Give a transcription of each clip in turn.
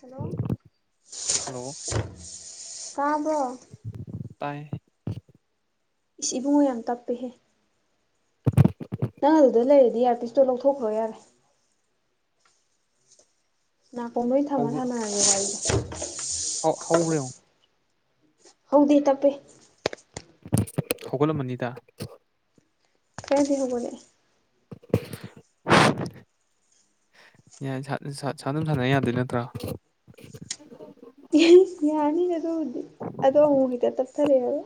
hello hello ꯀꯥꯕ꯭ꯔꯣ ꯇꯥꯏ ꯏꯁ ꯏꯕꯨꯡꯉꯣ ꯌꯥꯝ ꯇꯞꯄꯤꯍꯦ ꯅꯪ ꯑꯗꯨꯗ ꯂꯩꯔꯗꯤ ꯑꯥꯔꯇꯤꯁꯇꯣ ꯂꯧꯊꯣꯛꯈ꯭ꯔꯣ ꯌꯥꯔꯦ ꯅꯥ ꯀꯣ ꯅꯣꯏ ꯊꯝꯃ ꯊꯅꯉꯦ ꯋꯥꯔꯤꯒꯥꯗ ꯍꯕ꯭ꯔꯔꯤ ꯍꯧꯗꯤ ꯇꯄꯦ ꯍꯧꯒꯠꯂꯝꯃꯅꯤꯗ ꯀꯁ ꯍꯕꯅꯦꯦ [unintelligible] ꯌꯥꯏ ꯁꯥꯟ ꯑꯗꯨꯝ ꯁꯥꯟꯅ ꯌꯥꯗꯣꯏ ꯅꯠꯇ꯭ꯔꯣ ꯌꯥꯅꯤ ꯑ ꯑꯗꯨ ꯑꯗꯨꯗ ꯑꯃꯗ ꯇꯞ ꯐꯔꯦ ꯍꯥꯏꯕ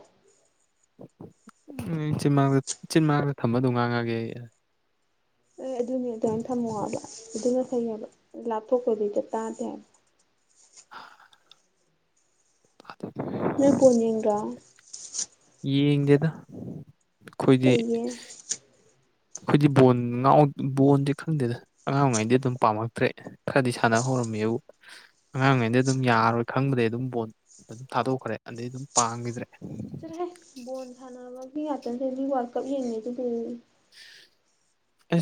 ꯆꯤꯟꯃꯥꯛꯗ ꯆꯤꯟꯃꯥꯛꯗ ꯊꯝꯕ ꯑꯗꯨꯝ ꯉꯥꯡꯉꯒꯦ ꯑꯩ ꯑꯦ ꯑꯗꯨꯅꯦ ꯑꯗꯨꯃꯥꯏꯅ ꯊꯝꯃꯣ ꯍꯥꯏꯕ ꯑꯗꯨꯅ ꯐꯩꯅꯦꯕ ꯂꯥꯞꯊꯣꯛꯄꯗꯤ ꯆ ꯇꯥꯗꯦ ꯍꯥꯏꯕ [unintelligible] ꯑ ꯃ ꯣꯅꯤꯡꯒ ꯌꯦꯡꯗꯦꯗ ꯑꯩꯈꯣꯏꯗꯤ ꯀꯩꯒꯤ ꯑꯩꯈꯣꯏꯗꯤ ꯕꯣꯟ ꯕꯣꯟꯗꯤꯦ ꯈꯪꯗꯦꯗ ꯑꯉꯥꯡꯉꯩꯗꯤ ꯑꯗꯨꯝ ꯄꯥꯝꯃꯛꯇ꯭ꯔꯦ ꯈꯔꯗꯤ ꯁꯥꯟꯅ ꯍꯧꯔꯝꯃꯦꯕꯨ ꯑꯉꯥꯡꯉꯩꯗꯩ ꯑꯗꯨꯝ ꯌꯥꯔꯔꯣꯏ ꯈꯪꯕꯗꯒꯤꯩ ꯑꯗꯨꯝ ꯕꯣꯣꯟ ꯑꯗꯨꯝ ꯊꯥꯗꯣꯛꯈ꯭ꯔꯦ ꯑꯗꯩ ꯑꯗꯨꯝ ꯄꯥꯡꯈꯤꯗ꯭ꯔꯦ ꯆꯠꯍꯦ ꯕꯣꯜ ꯁꯥꯟꯅꯕꯒꯤ ꯉꯥꯛꯇꯁ ꯑꯗꯨ ꯋꯥꯔꯜꯗ ꯀꯞ ꯌꯦꯡꯉꯦꯗꯨ ꯑ ꯑ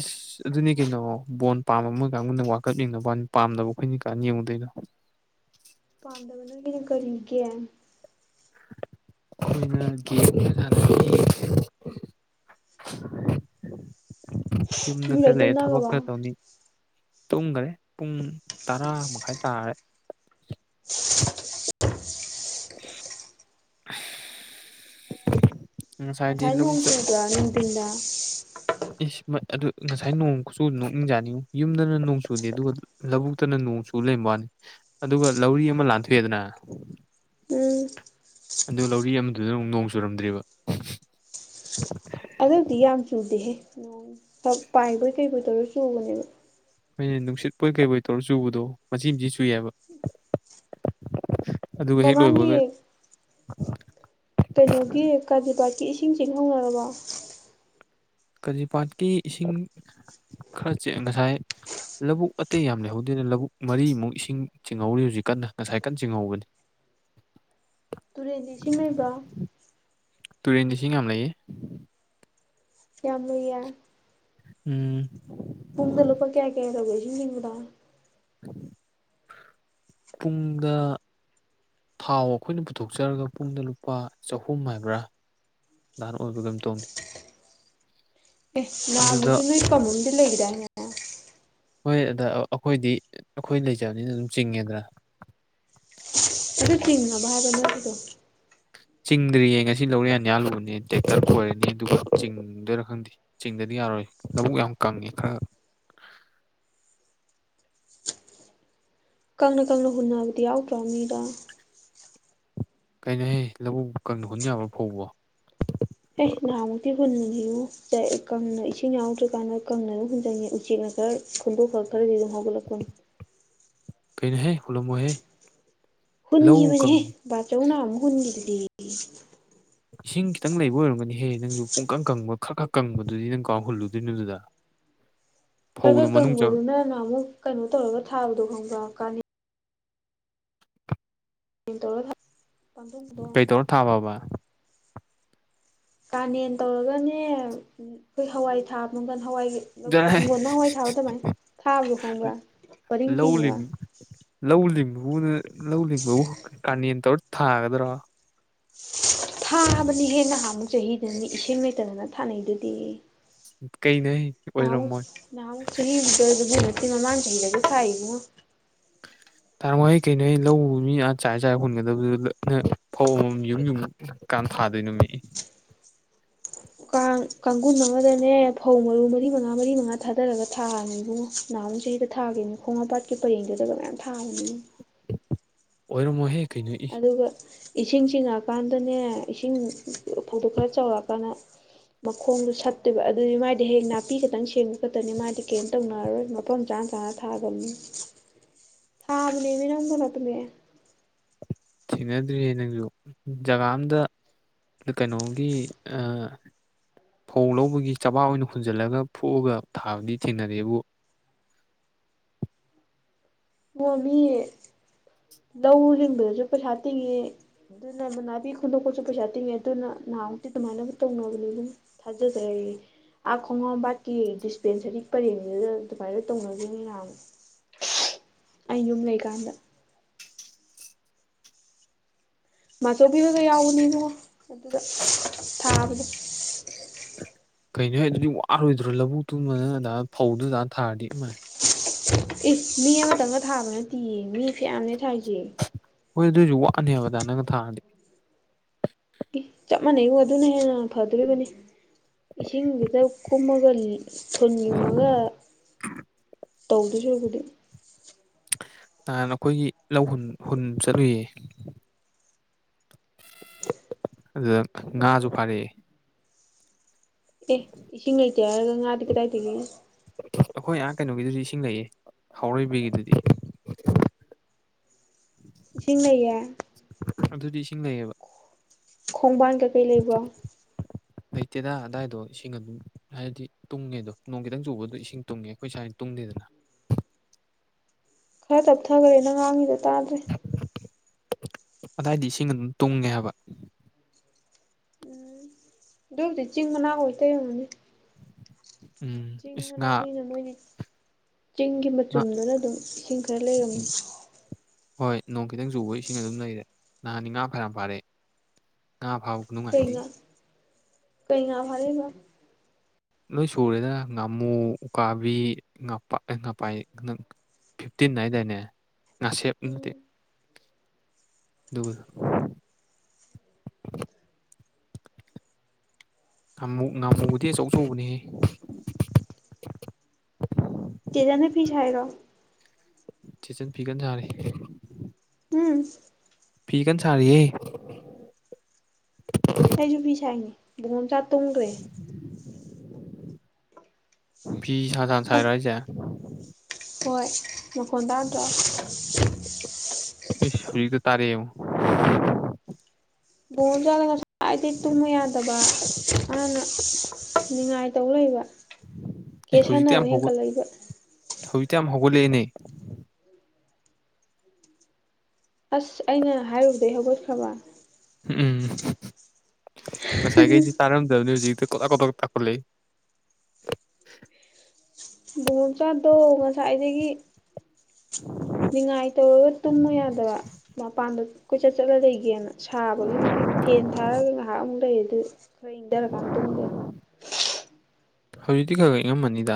ꯑꯗꯨꯅꯤ ꯀꯩꯅꯣ ꯕꯣꯟ ꯄꯥꯝꯕ ꯑꯃꯣꯏ ꯀꯥꯡꯕꯨꯗ ꯋꯥꯀꯞ ꯌꯦꯡꯅꯕ ꯄꯥꯝꯗꯅꯕ ꯑꯩꯈꯣꯏꯅꯤ ꯀꯥꯟꯅ ꯌꯦꯡꯉꯨꯗꯣꯏꯅꯣ ꯄꯥꯝꯗ ꯃꯅ ꯀ ꯔꯤꯒ [unintelligible] ꯌꯨꯝꯗ ꯃꯤ ꯂꯣꯏ ꯈꯔ ꯂꯩꯦ ꯊꯕꯛ ꯇꯨꯝꯅꯈ꯭ꯔꯕꯣ ꯈꯔ ꯇꯧꯅꯤ ꯇꯨꯡꯈꯔꯦ ꯄꯨꯡ ꯇꯔꯥ ꯃꯈꯥꯏ ꯇꯥꯔꯦ [unintelligible] [unintelligible] ꯉꯁꯥꯏꯗꯤ ꯉꯁꯥꯏ ꯅꯣꯡ ꯂꯕꯨꯨ ꯆꯠꯂ ꯆꯨꯕ꯭ꯔꯥ ꯅꯨꯡꯊꯤꯟꯗ ꯏꯁ ꯃ ꯑꯗꯨ ꯉꯁꯥꯏ ꯅꯣꯡꯁꯨ ꯅꯣꯛꯅꯤꯡꯖꯥꯅꯤꯡꯉꯨ ꯌꯨꯝꯗꯅ ꯅꯣꯡ ꯆꯨꯅꯤ ꯑꯗꯨꯒ ꯂꯧꯕꯨꯛꯇꯅ ꯅꯣꯡ ꯆꯨ ꯂꯩꯔꯕꯅꯤ ꯑꯗꯨꯒ ꯂꯧꯔꯤ ꯑꯃ ꯂꯥꯟꯊꯣꯛꯑꯦꯗꯅ ꯎꯝ ꯑꯗꯨ ꯂꯧꯔꯤ ꯑꯃꯗꯨꯗ ꯑꯃꯨꯛ ꯅꯣꯡ ꯆꯨꯔꯝꯗ꯭ꯔꯦꯕ ꯑꯗꯨꯗꯤ ꯌꯥꯝ ꯆꯨꯗꯦꯍꯦ ꯅꯣꯡꯕ ꯄꯥꯏꯕꯣꯏ ꯀꯩꯕꯨꯣꯏ ꯇꯧꯔ ꯆꯨꯕꯅꯦꯕ ꯑꯩꯈꯣꯏꯩꯅ ꯅꯨꯡꯁꯤꯠꯄꯣꯏ ꯀꯩꯕꯣꯏ ꯇꯧꯔ ꯆꯨꯕꯗꯣ ꯃꯆꯤ ꯃꯆꯤ ꯆꯨꯏꯌꯦꯕ ꯑꯗꯨꯒ ꯍꯦꯛ ꯃꯃꯥꯡꯒꯤ ꯂꯣꯏꯕꯗ ꯀꯩꯅꯣꯒꯤ ꯀꯥꯖꯤꯤꯄꯥꯠꯀꯤ ꯏꯁꯤꯡ ꯆꯤꯡꯍꯧꯅꯔꯕ ꯀꯖꯤꯤꯄꯥꯠꯀꯤ ꯏꯁꯤꯡ ꯈꯔ ꯆꯦꯛ ꯉꯁꯥꯏ ꯂꯧꯕꯨꯛ ꯑꯇꯩ ꯌꯥꯝ ꯂꯩꯍꯧꯗꯦꯅ ꯂꯧꯕꯨꯛ ꯃꯔꯤꯃꯨꯛ ꯏꯁꯤꯡ ꯆꯤꯡꯍꯧꯔꯤ ꯍꯧꯖꯤꯛ ꯀꯟꯅ ꯉꯁꯥꯏ ꯀꯟꯅ ꯆꯤꯡꯍꯧꯕꯅꯤ [unintelligible] ꯇꯨꯔꯦꯟꯗꯤ ꯁꯤꯃꯩꯕ ꯇꯨꯔꯦꯟꯗꯤꯁꯤꯡ ꯉ ꯌꯥꯝ ꯂꯩꯌꯦ ꯌꯥꯝ ꯂꯨꯏꯌꯦ ꯎꯝ ꯇꯨꯡꯗ ꯂꯨꯄꯥ ꯀꯌꯥ ꯀꯌꯥ ꯇꯧꯒꯦꯁꯤ ꯅꯤꯡꯗ ꯄꯨꯡꯗ ꯊꯥꯎ ꯑꯩꯈꯣꯏꯅ ꯄꯨꯊꯣꯛꯆꯔꯒ ꯄꯨꯡꯗ ꯂꯨꯄꯥ ꯆꯍꯨꯝ ꯍꯥꯏꯕ꯭ꯔꯥ ꯅꯍꯥꯟ ꯑꯣꯏꯕ ꯀꯩꯝ ꯇꯧꯗꯦ ꯑꯦ ꯑꯗꯨꯗ ꯅꯥꯕꯁꯨ ꯅꯣꯏ ꯀꯃꯣꯝꯗꯤ ꯂꯩꯒꯗꯥ ꯍꯥꯏꯅꯦ ꯍꯣꯏ ꯑꯗ ꯑꯩꯈꯣꯏꯗꯤ ꯑꯩꯈꯣꯏ ꯂꯩꯖꯕꯅꯤꯅ ꯑꯗꯨꯝ ꯆꯤꯡꯉꯦꯗꯅ ꯑꯗꯨ ꯊꯅ ꯔꯒ ꯅꯠꯇꯗꯣ ꯆꯤꯡꯗ꯭ꯔꯤꯌꯦ ꯉꯁꯤ ꯂꯧꯔ ꯌꯥꯟ ꯌꯥꯜꯂꯨꯕꯅꯦ ꯇ꯭ꯔꯦꯛꯇꯔ ꯀꯣꯏꯔꯅꯤ ꯑꯗꯨꯒ ꯆꯤꯡꯗꯣꯏꯔꯥ ꯈꯪꯗꯦ ꯆꯤꯡꯗꯗꯤ ꯌꯥꯔꯣꯏ ꯂꯧꯕꯛ ꯌꯥꯝ ꯀꯪꯉꯦ ꯈꯔ ꯀꯪꯅ ꯀꯪꯅ ꯍꯨꯟꯅꯕꯗꯤ ꯌꯥꯎꯗ꯭ꯔꯣ ꯃꯤꯗꯣ ꯀꯩꯅꯣꯍ ꯂꯧꯕꯨꯛ ꯀꯪ ꯍꯨꯟ ꯌꯥꯕ꯭ꯔꯥ ꯐꯧꯕꯕꯣ ꯑꯦ ꯅꯍꯥꯟꯃꯨꯛꯇꯤ ꯍꯨꯟꯕꯤꯌꯨ ꯀꯪꯅ ꯏꯁꯤꯡ ꯌꯥꯎꯗ꯭ꯔꯔꯤꯀꯥꯟꯗ ꯀꯪꯅ ꯑꯗꯨ ꯍꯨꯟꯖꯪꯉꯦ ꯎꯆꯦꯛꯅ ꯈꯔ ꯈꯟꯗꯣꯛ ꯈ ꯈꯔꯗꯤ ꯑꯗꯨꯝ ꯍꯧꯒꯠꯂꯛꯄꯅꯤ ꯄꯅ ꯍꯩ ꯈꯨꯂꯨꯝꯕꯣꯏꯍꯦ ꯍꯨꯟꯈꯤꯕꯅꯦꯍꯦ ꯕꯥꯆꯧꯅ ꯑꯃꯨꯛ ꯍꯨꯟꯈꯤꯕꯗꯨꯗꯤ ꯏꯁꯤꯡ ꯈꯤꯇꯪ ꯂꯩꯕ ꯑꯣꯏꯔꯝꯒꯅꯤꯍꯦ ꯅꯪꯁꯨ ꯄꯨꯡꯀꯪ ꯀꯪꯕ ꯈꯔ ꯈꯔ ꯀꯪꯕꯗꯨꯗꯤ ꯅꯪ ꯀꯥꯎꯍꯨꯜꯂꯨꯗꯣꯏꯅꯣ ꯑꯗꯨꯗ [inaudible] ꯈꯔ ꯈꯔ ꯃꯅꯨꯡ ꯆꯪ ꯀꯪꯕꯗꯨꯅꯅ ꯑꯃꯨꯛ ꯀꯩꯅꯣ ꯇꯧꯔꯒ ꯊꯥꯕꯗꯣ ꯈꯪꯕ ꯀꯥꯟꯅꯤ ꯇꯧꯔꯒ ꯄꯥꯟꯗꯨꯡꯗꯣ ꯊꯥꯕꯕꯕꯥ ꯀꯥꯅꯦꯟ ꯇꯧꯔꯒꯅꯦ ꯑꯩꯈꯣꯏ ꯍꯋꯥꯏ ꯊꯥ ꯃꯒꯜ ꯍꯋꯥꯏ ꯖꯔꯍꯦ ꯍꯤꯡꯒꯣꯜꯅ ꯍꯋꯥꯏ ꯊꯥꯕ ꯑꯗꯨꯃꯥꯏꯅ ꯊꯥꯕ꯭ꯔꯥ ꯈꯪꯕ꯭ꯔꯥ ꯄꯔꯤꯡ ꯂꯧ ꯇꯤꯡꯉꯒ ꯂꯤꯡ ꯂꯧ ꯂꯤꯡꯕꯕꯨ ꯂꯧ ꯂꯤꯡꯕꯕꯨ ꯀꯥꯅꯦꯟ ꯇꯧꯔ ꯊꯥꯒꯗ꯭ꯔꯥ ꯊꯥꯕꯅꯤ ꯍꯦ ꯅꯍꯥꯟꯃꯨꯛ ꯆꯍꯤꯗꯨꯗꯅꯤ ꯏꯁꯤꯡ ꯂꯩꯇꯗꯅ ꯊꯥꯅꯩꯗꯨꯗꯤ ꯀꯩꯅꯣꯍꯦ ꯑꯣꯏꯔꯝꯃꯣꯏ ꯥꯡꯁꯣꯏ ꯁꯤꯅꯃꯅ ꯆꯗꯒ ꯁꯥꯏꯕꯨ [inaudible] ꯇꯥꯡꯉꯣꯏꯍꯦ ꯀꯩꯅꯣ ꯑꯩ ꯂꯧ ꯎ ꯃꯤ ꯑꯥ ꯆꯥꯏ ꯆꯥꯏ ꯍꯨꯟꯒꯗꯕꯗꯨ ꯐꯧ ꯌꯨꯝ ꯌꯨꯝ ꯀꯥꯟ ꯊꯥꯗꯣꯏꯅꯣ ꯃꯤ ꯀꯥꯡ ꯀꯥꯡꯒꯨꯟ ꯑꯃꯗꯅꯦ ꯐꯧ ꯃꯔꯨ ꯃꯔꯤ ꯃꯉꯥ ꯃꯔꯤ ꯃꯉꯥ ꯊꯥꯗꯔꯒ ꯊꯥꯕꯅꯤ ꯏꯕꯨꯡꯉꯣ ꯅꯍꯥꯟꯃꯨꯛ ꯆꯍꯤꯗ ꯊꯥꯈꯤꯕꯅꯤ ꯈꯣꯡꯍꯥꯝꯄꯥꯠꯀꯤ ꯄꯔꯦꯡꯗꯨꯗꯒ ꯃꯌꯥꯝ ꯊꯥꯕꯅꯤ ꯑꯣꯏꯔꯝꯃꯣꯍꯦ ꯀꯩꯅꯣ ꯏ ꯑꯗꯨꯒ ꯏꯁꯤꯡ ꯆꯤꯡꯉꯛꯑꯀꯥꯟꯗꯅꯦ ꯏꯁꯤꯡ ꯐꯧꯗꯣ ꯈꯔ ꯆꯥꯎꯔꯛꯑꯀꯥꯟꯗ ꯃꯈꯣꯡꯗꯨ ꯁꯠꯇꯣꯏꯕ ꯑꯗꯨꯗꯤ ꯃꯥꯥꯏꯗꯤ ꯍꯦꯌꯦꯡ ꯅꯥꯄꯤ ꯈꯛꯇꯪ ꯁꯦꯡꯕ ꯈꯛꯇꯅꯤ ꯃꯥꯗꯤ ꯀꯩꯝ ꯇꯧꯅꯔꯔꯣꯏ ꯃꯐꯝ ꯆꯥꯅ ꯆꯥꯅ ꯊꯥꯒ꯭ꯔꯝꯅꯤ [inaudible] ꯁꯥꯕꯅꯦ ꯃꯤ ꯅꯪꯕꯨ ꯂꯣꯛꯇꯅꯦ ꯊꯦꯡꯅꯗ꯭ꯔꯤꯌꯦ ꯅꯪꯁꯨ ꯖꯒꯥ ꯑꯝꯗ ꯀꯩꯅꯣꯝꯒꯤ ꯑ ꯐꯧ ꯂꯧꯕꯒꯤ ꯆꯕꯥꯥꯛ ꯑꯣꯏꯅ ꯍꯨꯟꯖꯜꯂꯒ ꯐꯨꯛꯑꯒ ꯊꯥꯕꯗꯤ ꯊꯦꯡꯅꯔꯦꯕꯨ ꯕꯣ ꯃꯤ ꯂꯧ ꯂꯤꯡꯕꯗꯁꯨ ꯄꯩꯁꯥ ꯇꯤꯡꯉꯤ ꯑꯗꯨꯅ ꯃ ꯅꯥꯕꯤ ꯈꯨꯟꯗꯣꯛꯄꯁꯨ ꯄꯩꯁꯥ ꯇꯤꯡꯉꯦ ꯑꯗꯨꯅ ꯅꯍꯥꯟꯃꯨꯛꯇꯤ ꯑꯗꯨꯃꯥꯏꯅꯕꯨ ꯇꯧꯅꯕꯅꯦ ꯑꯗꯨꯝ ꯊꯥꯖꯗꯕꯒꯤ ꯑꯥ ꯈꯣꯡꯉꯥꯝꯕꯥꯠꯀꯤ ꯗꯤꯁꯄꯦꯟꯁꯔꯤ ꯄꯔꯦꯡꯗꯨꯗ ꯑꯗꯨꯃꯥꯏꯅ ꯇꯧꯅꯒꯤꯝꯅꯤ ꯉꯍꯥꯟꯃꯨꯛ ꯑꯩ ꯌꯨꯝ ꯂꯩꯀꯥꯟꯗ ꯃꯥꯆꯧꯕꯤꯍꯣꯏꯒ ꯌꯥꯎꯕꯅꯤ ꯏꯕꯨꯡꯉꯣ ꯑꯗꯨꯗ ꯊꯥꯕꯗꯣ ꯀꯩꯅꯣ ꯍꯦ ꯑꯗꯨꯗꯤ ꯋꯥꯔꯣꯏꯗ꯭ꯔꯣ ꯂꯧꯕꯨꯛꯛꯇꯨꯝꯕꯅ ꯑꯗꯥ ꯐꯧꯗꯨꯗꯥ ꯊꯥꯔꯗꯤ ꯏ ꯃꯥꯏ ꯏꯁ ꯃꯤ ꯑꯃꯇꯪꯅ ꯊꯥꯕ ꯅꯠꯇꯝꯌꯦ ꯃꯤ ꯐꯌꯥꯝꯅꯦ ꯊꯥꯏꯁꯦ ꯍꯣꯏ ꯑꯗꯨꯏꯁꯨ ꯋꯥꯠꯅꯦꯕ ꯑꯗꯥꯏꯅꯒ ꯊꯥꯔꯗꯤ ꯏ ꯆꯞ ꯃꯥꯟꯅꯩꯕꯨ ꯑꯗꯨꯅ ꯍꯦꯟꯅ ꯐꯗꯣꯔꯤꯕꯅꯤ ꯏꯁꯤꯡꯗꯨꯗ ꯀꯨꯝꯃꯒ ꯏꯁ ꯊꯨꯟ ꯌꯨꯡꯉꯒ ꯇꯧꯗꯣꯏ ꯁꯕꯨꯗꯤ ꯇꯥꯟ ꯑꯩꯈꯣꯏꯒꯤ ꯂꯧ ꯍꯨꯟ ꯍꯨꯟ ꯆꯠꯂꯨꯏꯌꯦ ꯑꯗꯨꯗ ꯎꯝ ꯉꯥꯁꯨ ꯐꯥꯔꯛꯑꯦ ꯑꯦ ꯏꯁꯤꯡ ꯂꯩꯇꯦ ꯍꯥꯏꯔꯒ ꯉꯥꯗꯤ ꯀꯗꯥꯏꯗꯒꯤ ꯑꯩꯈꯣꯏ ꯑꯍ ꯀꯩꯅꯣꯒꯤꯗꯨꯗꯤ ꯏꯁꯤꯡ ꯂꯩꯌꯦ ꯍꯥꯎꯔꯩꯕꯤꯒꯤꯗꯨꯗꯤ ꯏꯁꯤꯡ ꯂꯩꯌꯦ ꯑꯗꯨꯗꯤ ꯏꯁꯤꯡ ꯂꯩꯌꯦꯕ ꯈꯣꯡꯕꯥꯟ ꯀꯩꯀꯩ ꯂꯩꯕ꯭ꯔꯣ ꯂꯩꯇꯦꯗ ꯑꯗꯥꯏꯗꯣ ꯏꯁꯤꯡ ꯑꯗꯨꯝ ꯍꯥꯏꯗꯤ ꯇꯨꯡꯉꯦꯗꯣ ꯅꯣꯡ ꯈꯤꯇꯪ ꯆꯨꯕꯗꯣ ꯏꯁꯤꯡ ꯇꯨꯡꯉꯦ ꯑꯩꯈꯣꯏ ꯁꯥꯏꯗ ꯇꯨꯡꯗꯦꯗꯅ ꯈꯔ ꯇꯞꯊꯈ꯭ꯔꯦ ꯅ ꯉꯥꯡꯉꯤꯗꯣ ꯇꯥꯗ꯭ꯔꯦ ꯑꯗꯥꯏꯗꯤ ꯏꯁꯤꯡ ꯑꯗꯨꯝ ꯇꯨꯡꯉꯦ ꯍꯥꯏꯕ ꯎꯝ ꯗꯨꯕꯨꯗꯤ ꯆꯤꯡ ꯃꯅꯥꯛ ꯑꯣꯏ ꯇꯩꯅꯤꯅꯦ ꯎꯝ ꯆꯤꯡ ꯏꯁ ꯉꯥ ꯃꯅꯥꯛꯅꯤꯅ ꯅꯣꯏꯗꯤ ꯆꯤꯡꯒꯤ ꯉꯥ ꯃꯆꯨꯝꯗꯨꯅ ꯑꯗꯨꯝ ꯏꯁꯤꯡ ꯈꯔ ꯂꯩꯔꯝꯅꯤ ꯍꯣꯏ ꯅꯣꯡ ꯈꯤꯇꯪ ꯆꯨꯕ ꯏꯁꯤꯡ ꯑꯗꯨꯝ ꯂꯩꯔꯦ ꯅꯍꯥꯟꯅꯤ ꯉꯥ ꯐꯅꯌꯥꯝ ꯐꯥꯔꯛꯏ ꯀꯩꯩꯉꯥ ꯀꯩꯩꯉꯥ ꯐꯥꯔꯛꯏꯅꯣ ꯂꯣꯏ ꯁꯨꯔꯦꯗ ꯉꯥꯃꯨ ꯎꯀꯥꯕꯤ ꯉꯥꯄꯥꯛ ꯉꯄꯥꯏ ꯐꯤꯐꯇꯤꯟ ꯍꯥꯏꯗꯥꯏꯅꯦ ꯉꯥꯁꯦꯞ ꯅꯠꯇꯦ ꯎꯝ ꯑꯗꯨꯒ ꯊꯥꯃꯨ ꯉꯃꯨꯕꯨꯗꯤ ꯑꯆꯧꯆꯧꯕꯅꯦꯍꯦ ꯇꯦꯔꯦꯟꯅ ꯐꯤ ꯁꯥꯏꯔꯣ ꯊꯦꯠꯆꯟ ꯐꯤ ꯀꯟ ꯁꯥꯔꯤ ꯎꯝ ꯐꯤ ꯀꯟ ꯁꯥꯔꯤꯌꯦ ꯑꯩꯁꯨ ꯐꯤ ꯁꯥꯏꯅꯦ ꯕꯨꯡꯉꯣꯝꯆꯥ ꯇꯨꯝꯈ꯭ꯔꯦ ꯐꯤ ꯁꯥꯁꯥꯅ ꯁꯥꯏꯔꯣ ꯍꯥꯏꯁꯦ ꯍꯣꯏ ꯃꯈꯣꯟ ꯇꯥꯗ꯭ꯔꯣ ꯏꯁ ꯍꯧꯖꯤꯛꯇ ꯇꯥꯔꯛꯑꯦꯉꯣ ꯕꯣꯜꯆꯥꯜꯅ ꯉꯁꯥꯏꯗꯩ ꯇꯨꯝꯃꯨ ꯌꯥꯗꯕ ꯑꯗꯨꯅ ꯉꯥꯏꯇꯧ ꯂꯩꯕ ꯀꯦ ꯑꯦ ꯍꯧꯖꯤꯛꯇꯤ ꯁꯥꯟꯅꯕ ꯌꯥꯝ ꯍꯧꯒꯠ ꯍꯦꯟꯀꯠꯂꯛꯏꯕ ꯍꯧꯖꯤꯛꯇꯤ ꯌꯥꯝ ꯍꯧꯒꯠꯂꯛꯑꯦꯅꯦ ꯑꯁ ꯑꯩꯅ ꯍꯥꯏꯔꯨꯕꯗꯒꯤꯩ ꯍꯧꯒꯠꯈ꯭ꯔꯕ ꯎꯝ ꯉꯁꯥꯏ ꯀꯩꯗꯤ ꯇꯥꯔꯝꯗꯖꯤ ꯀ ꯀꯇ ꯀ ꯇ ꯀꯣ ꯂꯩ ꯕꯉꯣꯆꯥꯗꯣ ꯉꯁꯥꯏꯗꯒꯤ ꯅꯤꯉꯥꯏ ꯇꯧꯔꯒ ꯇꯨꯝꯃ ꯌꯥꯗꯕ ꯃꯄꯥꯟꯗ ꯀꯣꯏꯆꯠ ꯆꯠꯂ ꯂꯩꯒꯦꯅ ꯁꯥꯕꯒꯤ ꯉ ꯐꯦꯟ ꯊꯥꯔꯒ ꯉꯥꯏꯍꯥꯛ ꯑꯃꯨꯛ ꯂꯩ ꯑꯗꯨ ꯈꯔ ꯏꯪꯊꯔꯀꯥꯟꯗ ꯇꯨꯝꯒꯅꯤ ꯍꯧꯖꯤꯛꯇꯤ ꯈꯔ ꯈ ꯏꯉꯝꯝꯕꯅꯤꯗ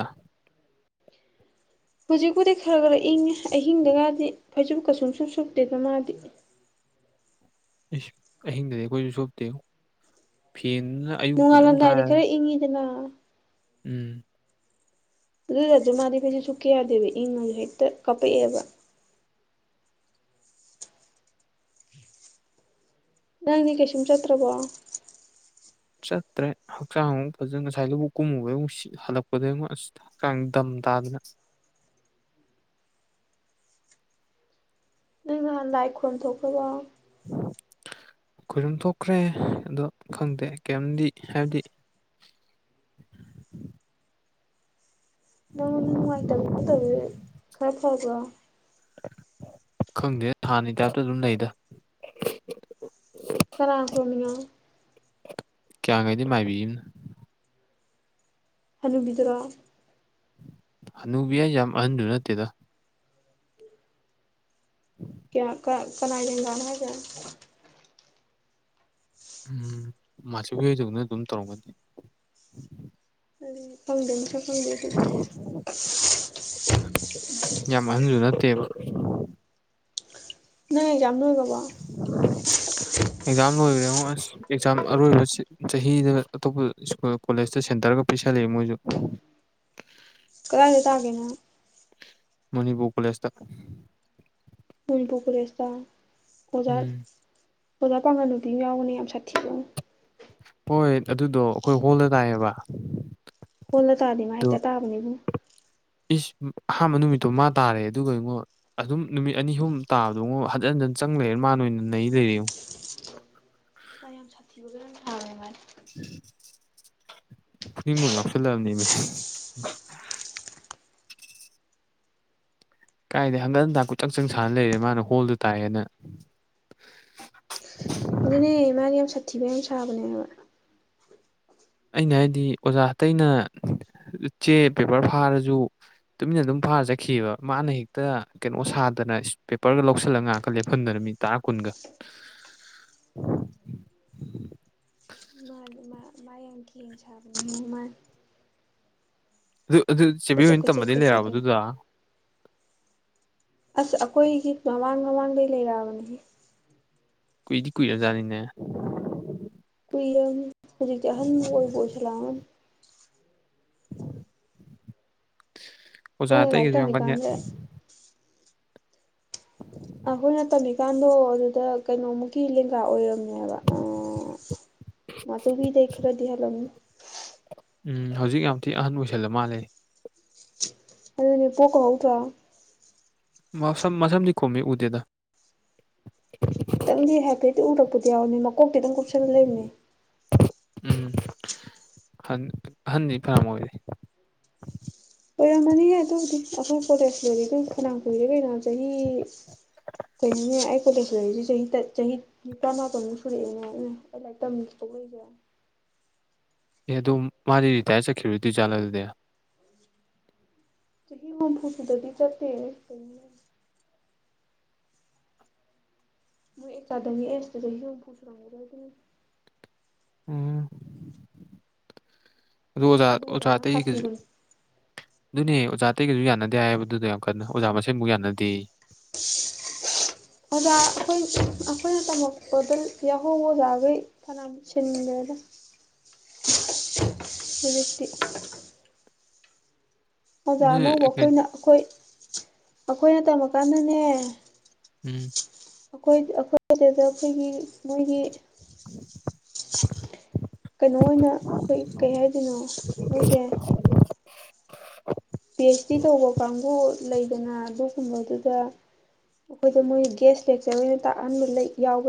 ꯍꯧꯖꯤꯛꯄꯨꯗꯤ ꯈꯔ ꯈꯔ ꯏꯪꯉꯦ ꯑꯍꯤꯡꯗꯒꯗꯤ ꯐꯩꯖꯨꯞ ꯀꯩꯁꯨꯝ ꯁꯨꯝ ꯁꯨꯞꯇꯦꯗ ꯃꯥꯗꯤ ꯑꯩꯁ ꯑꯍꯤꯡꯗꯗꯤ ꯑꯩꯈꯣꯏꯁꯨ ꯁꯣꯞꯇꯤ ꯐꯦꯟꯗꯨꯅ ꯑꯌꯨꯛꯄꯨ ꯑꯗꯨꯝ ꯅꯣꯡꯉꯥꯜꯂꯝꯗꯥꯏꯗꯤ ꯊꯥꯏꯔꯦ ꯈꯔ ꯏꯪꯉꯤꯗꯅ ꯎꯝ ꯑꯗꯨꯁꯨ ꯃꯥꯗꯤ ꯐꯩꯁꯨꯦ ꯁꯨꯛ ꯀ ꯌꯥꯗꯦꯕ ꯏꯪꯉꯁꯨ ꯍꯦꯛꯇ ꯀꯥꯄꯛꯑꯦꯕ ꯅꯪꯅꯦ ꯀꯩꯁꯨꯝ ꯆꯠꯇ꯭ꯔꯕꯣ ꯆꯠꯇ꯭ꯔꯦ ꯍꯛꯆꯥꯡ ꯑꯃꯨꯛ ꯐꯖꯅ ꯉꯁꯥꯏ ꯂꯨꯕꯨꯛ ꯀꯨꯝꯃꯨꯕꯩ ꯑꯃꯨꯛ ꯍꯜꯂꯛꯄꯗꯩ ꯑꯃꯨꯛ ꯑꯁ ꯀꯪꯗꯝꯝ ꯇꯥꯗꯅ ꯑꯩꯅ ꯂꯥꯏ ꯈꯣꯝ ꯊꯣꯛꯄꯕ ꯈꯣꯏꯔꯨꯝ ꯊꯣꯛꯈ꯭ꯔꯦ ꯑꯗꯣ ꯈꯪꯗꯦ ꯀꯩꯝꯗꯤ ꯍꯥꯏꯕꯗꯤ ꯅꯉꯣꯟꯗ ꯅꯨꯡꯉꯥꯏꯇꯕꯒ ꯇꯧꯋꯤ ꯈꯔ ꯐꯕ ꯈꯪꯗꯦ ꯍꯥꯟꯅꯒꯤ ꯇꯥꯏꯞꯇ ꯑꯗꯨꯝ ꯂꯩꯗ ꯀꯔꯥꯡ ꯐꯣꯅꯤꯌꯥ ꯀꯌꯥꯈꯩꯗꯤ ꯃꯥꯏꯕꯤꯅ ꯍꯜꯂꯨꯕꯤꯗꯔꯣ ꯍꯅꯨꯕꯤ ꯑꯩ ꯌꯥꯝ ꯑꯍꯟꯗꯨ ꯅꯠꯇꯦꯗ ꯎ ꯀꯌꯥ ꯀ ꯀꯅꯥ ꯌꯦꯡꯒꯥꯅ ꯍꯥꯏꯒꯦ ꯃꯥꯁꯕꯨ ꯑꯣꯏꯖꯅꯦ ꯑꯗꯨꯝ ꯇꯔꯣꯡꯒꯅꯤ ꯑꯗꯨ ꯐꯪꯗꯦ ꯃꯠꯇ꯭ꯔ ꯐꯪꯗꯦ ꯑꯗꯨ [unintelligible] ꯌꯥꯝ ꯑꯍꯟꯖꯨ ꯅꯠꯇꯦꯕ ꯅꯣꯏ ꯑꯦꯛꯖꯥꯝ ꯂꯣꯏꯔꯕꯣ [unintelligible] ꯑꯦꯛꯖꯥꯝ ꯂꯣꯏꯒ꯭ꯔꯦꯉꯣ ꯑꯁ ꯑꯦꯛꯖꯥꯝ ꯑꯔꯣꯏꯕ ꯁꯤꯠ ꯆꯍꯤꯗ ꯑꯇꯣꯞꯄ ꯁ꯭ꯀꯣꯂ__ ꯀꯣꯂꯦꯖꯇ ꯁꯦꯟꯇꯔꯒ ꯄꯤꯁꯜꯂꯛꯑꯦ ꯃꯣꯏꯁꯨ ꯀꯗꯥꯏꯗ ꯇꯥꯒꯦ ꯅꯪ ꯃꯅꯤꯄꯨꯔ ꯀꯣꯂꯦꯁꯇ ꯃꯅꯤꯄꯨꯔ ꯀꯣꯂꯦꯖꯇ ꯑꯣꯖꯥ ꯎꯝ ꯑꯣꯖꯥ ꯄꯥꯒꯟꯅꯨꯄꯤ ꯑꯃ ꯌꯥꯎꯕꯅꯤ ꯌꯥꯝ ꯁꯥꯊꯤꯕ ꯑꯃ ꯍꯣꯏ ꯑꯗꯨꯗꯣ ꯑꯩꯈꯣꯏ ꯍꯣꯜꯗ ꯇꯥꯏꯌꯦꯕ ꯍꯣꯜꯂ ꯇꯥꯔꯗꯤ ꯃꯥ ꯑꯗꯨ ꯍꯦꯛꯇ ꯇꯥꯕꯅꯦ ꯏꯕꯨꯡꯉꯣ ꯏꯁ ꯎꯝ ꯑꯍꯥꯝꯕ ꯅꯨꯃꯤꯠꯇꯣ ꯃꯥ ꯇꯥꯔꯦ ꯑꯗꯨꯒ ꯑꯩꯉꯣ ꯑꯗꯨꯝ ꯅꯨꯃꯤꯠ ꯑꯅꯤ ꯑꯍꯨꯝ ꯇꯥꯕꯗꯣꯉꯣ ꯍꯟꯖꯤꯟ ꯍꯟꯖꯤꯟ ꯆꯪ ꯂꯩꯔ ꯃꯥꯥꯅ ꯑꯣꯏꯅ ꯅꯩ ꯂꯩꯔꯦꯉꯣ ꯃꯥ ꯌꯥꯝ ꯁꯥꯊꯤꯕꯒ ꯌꯥꯝ ꯁꯥꯕꯅꯦ ꯃꯥꯗꯤ [unintelligible] ꯐꯨꯅꯤꯡꯕꯑꯃ ꯌꯥꯎꯁꯜꯂꯑꯕꯅꯦꯃꯤ ꯀꯥꯏꯗꯩ ꯍꯪꯒꯟ ꯍꯟꯗꯥ ꯀꯣꯏꯆꯪ ꯆꯪ ꯁꯥꯟꯅ ꯂꯩꯔꯦ ꯃꯥꯅ ꯍꯣꯜꯗ ꯇꯥꯏꯑꯦꯅ ꯑꯗꯨꯅꯦ ꯃꯥꯗꯤ ꯌꯥꯝ ꯁꯥꯊꯤꯕ ꯌꯥꯝ ꯁꯥꯕꯅꯦꯕ ꯑꯩꯅ ꯍꯥꯏꯗꯤ ꯑꯣꯖꯥ ꯑꯇꯩꯩꯅ ꯆꯦ ꯄꯦꯄꯔ ꯐꯥꯔꯁꯨ ꯇꯨꯃꯤꯟꯅ ꯑꯗꯨꯝ ꯐꯥꯔ ꯆꯠꯈꯤꯌꯦꯕ ꯃꯥꯅ ꯍꯦꯛꯇ ꯀꯩꯅꯣ ꯁꯥꯗꯅ ꯏꯁ ꯄꯦꯄꯔꯒ ꯂꯧꯁꯜꯂꯒ ꯉꯥꯛꯍꯥꯛꯀ ꯂꯦꯞꯐꯟꯗꯅ ꯃꯤꯅꯤꯠ__ ꯇꯔꯥ ꯀꯨꯟꯒ ꯃꯥꯅꯤ ꯃꯥ ꯃꯥ ꯌꯥꯝ ꯈꯦꯡ ꯁꯥꯕꯅꯦ [unintelligible] ꯑꯗꯨ ꯑꯗꯨ ꯆꯦꯕꯤ ꯀꯣꯏꯆꯠ ꯍꯣꯏꯅ ꯇꯝꯕꯗꯩ ꯀꯣꯏꯆꯠꯀ ꯂꯩꯔꯛꯑꯕ ꯆꯠꯂꯒ ꯑꯗꯨꯗꯣ ꯑꯁ ꯑꯩꯈꯣꯏꯒꯤ ꯃꯃꯥꯡ ꯃꯃꯥꯡꯗꯩ ꯂꯩꯔꯛꯑꯕꯅꯤꯍꯦ ꯀꯨꯏꯗꯤ ꯀꯨꯏꯔꯕꯖꯥꯠꯅꯤꯅꯦ ꯀꯨꯏꯔꯕꯅꯤ ꯍꯧꯖꯤꯛꯇꯤ ꯑꯍꯟꯕꯨ ꯑꯣꯏꯕꯨ ꯑꯣꯏꯁꯤꯟꯂꯛ ꯑꯝꯃꯅꯤ ꯑꯣꯖꯥ ꯑꯩꯈꯣꯏꯅ ꯂꯥꯏꯔꯤꯛ ꯑꯇꯩꯒꯤꯁꯨ ꯌꯥꯝ ꯀꯟꯌꯥ__ ꯇꯝꯃꯤꯀꯥꯟꯗ [inaudible] ꯑꯩꯈꯣꯏꯅ ꯇꯝꯃꯤꯀꯥꯟꯗꯣ ꯑꯗꯨꯗ ꯀꯩꯅꯣꯃꯨꯛꯀꯤ ꯂꯦꯡꯒꯥ ꯑꯣꯏꯔꯝ__ [unintelligible] ꯑ ꯃꯥꯆꯧꯕꯤꯗꯩ ꯈꯔꯗꯤ ꯍꯜꯂꯝꯅꯤ ꯎꯝ ꯍꯧꯖꯤꯛ ꯌꯥꯝ ꯊꯤ ꯑꯍꯟ ꯑꯣꯏꯁꯜꯂ ꯃꯥꯜꯂꯦꯍꯦ ꯑꯗꯨꯅꯦ ꯄꯣꯛꯀ ꯍꯧꯗ꯭ꯔꯣ ꯃꯁꯝ ꯃꯁꯝꯗꯤ ꯈꯨꯝꯃꯤ ꯎꯗꯦꯗ [unintelligible] ꯍꯥꯏꯐꯦꯠꯇꯤ ꯎꯔꯛꯄꯗꯤ ꯌꯥꯎꯕꯅꯤ ꯃꯀꯣꯛꯇꯤ ꯑꯗꯨꯝ ꯀꯨꯞꯁꯜꯂ ꯂꯩꯕꯅꯦ ꯎꯝ ꯐꯟ ꯑꯍꯟꯗꯤ ꯐꯅꯌꯥꯝ ꯑꯣꯏꯔꯦ ꯑꯣꯏꯔꯝꯃꯅꯤꯍꯦ ꯑꯗꯨꯕꯨꯗꯤ ꯑꯩꯈꯣꯏ ꯀꯣꯂꯦꯖ ꯂꯣꯏꯔꯩꯖꯦ ꯐꯅꯌꯥꯝ ꯀꯨꯏꯔꯦ ꯀꯩꯅꯣ ꯆꯍꯤ ꯀꯩꯅꯣꯅꯦ ꯑꯩ ꯀꯣꯂꯦꯖ ꯂꯣꯏꯔꯩꯖꯦ ꯆꯍꯤ ꯇ ꯆꯍꯤ ꯅꯤꯄꯥꯟ ꯃꯥꯄꯟꯃꯨꯛ ꯁꯨꯔꯛꯑꯦꯅꯦ ꯏꯃꯥꯏ ꯂꯥꯏꯔꯤꯛ ꯇꯝ ꯇꯣꯛꯂꯏꯖꯤꯔꯣ ꯑꯦ ꯑꯗꯨꯝ ꯃꯥꯗꯤ ꯔꯤꯇꯥꯏꯌꯔ ꯆꯠꯈꯤꯔꯣꯏꯗꯣꯏ ꯖꯥꯠꯂꯥ ꯑꯗꯨꯗꯤ ꯆꯍꯤ ꯍꯨꯝꯐꯨꯁꯨꯗꯗꯤ ꯆꯠꯇꯦ ꯀꯩꯅꯣ [unintelligible] ꯃꯣꯏ ꯑꯦꯀꯥꯗꯃꯤꯛ ꯑꯦꯖꯗ ꯆꯍꯤ ꯍꯨꯝꯐꯨ ꯁꯨꯔꯝꯒꯤꯔꯣꯏ ꯑꯗꯨꯅꯅꯦ__ ꯎꯝ ꯑꯗꯨ ꯑꯣꯖꯥ ꯑꯣꯖꯥ ꯑꯣꯖꯥꯗꯣ ꯌꯥꯝ ꯑꯇꯩꯒꯁꯨ ꯁꯥꯊꯤꯕꯅꯤ ꯑꯗꯨꯅꯦ ꯑꯣꯖꯥ ꯑꯇꯩꯒꯩꯁꯨ ꯌꯥꯅꯗꯦ ꯍꯥꯏꯌꯦꯕ ꯑꯗꯨꯗꯣ ꯌꯥꯝ ꯀꯟꯅ ꯑꯣꯖꯥ ꯃꯁꯦꯟꯐꯧ ꯌꯥꯅꯗꯦꯌꯦ [unintelligible] ꯑꯣꯖꯥ ꯑꯩꯈꯣꯏ ꯑꯩꯈꯣꯏꯅ ꯇꯝꯃꯛꯄꯗ ꯌꯥꯍꯧꯕ ꯑꯣꯖꯥꯒꯩ ꯐꯅꯌꯥꯝ ꯁꯤꯟꯒ꯭ꯔꯦꯗꯥ [inaudible] [unintelligible] ꯍꯧꯖꯤꯛꯇꯤ ꯑꯣꯖꯥ ꯅꯣꯏ ꯑꯅꯧꯕ ꯑꯩꯈꯣꯏꯅ ꯑꯩꯈꯣꯏ ꯑꯩꯈꯣꯏꯅ ꯇꯝꯃꯛꯄꯀꯥꯟꯗꯅꯦ ꯎꯝ ꯑꯩꯈꯣꯏꯒꯤ ꯑꯩꯈꯣꯏ [unintelligible] ꯁꯤꯒꯤ ꯃꯣꯏꯒꯤ [inaudible] ꯀꯩꯅꯣ ꯑꯣꯏꯅ ꯑꯩꯈꯣꯏ ꯀꯩ ꯍꯥꯏꯗꯣꯏꯅꯣ ꯃꯣꯏꯁꯦ ꯄꯤ ꯑꯩꯆ ꯗꯤ ꯇꯧꯕ ꯀꯥꯡꯕꯨ ꯂꯩꯗꯅ ꯑꯗꯨꯒꯨꯝꯕꯗꯨꯗ ꯑꯩꯈꯣꯏꯗ ꯃꯣꯏ ꯒꯦꯌꯁ ꯂꯦꯛꯆꯔꯔꯅ ꯇꯥꯛꯍꯟꯕ ꯌꯥꯎꯕ